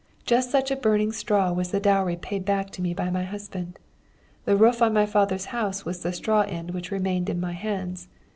Just such a burning straw was the dowry paid back to me by my husband. The roof of my father's house was the straw end which remained in my hands.